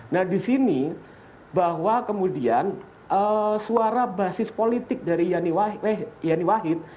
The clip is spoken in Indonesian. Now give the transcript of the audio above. nah di sini bahwa kemudian suara basis politik dari yeni wahid